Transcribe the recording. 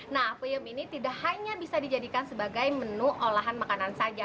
nah peyem ini tidak hanya bisa dijadikan sebagai menu olahan makanan saja